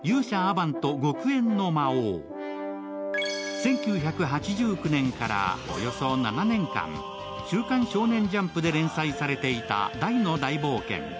１９８９年からおよそ７年間、「週刊少年ジャンプ」で連載されていた「ダイの大冒険」。